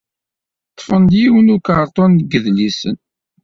Ṭṭfen-d yiwen n ukerṭun n yidlisen.